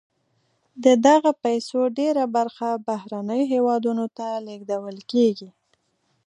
د دغه پیسو ډیره برخه بهرنیو هېوادونو ته لیږدول کیږي.